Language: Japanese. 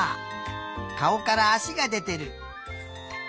かおからあしがでてる。